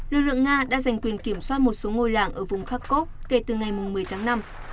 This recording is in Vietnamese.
lực lượng nga đã giành quyền kiểm soát một số ngôi làng ở vùng kharkov kể từ ngày một mươi tháng năm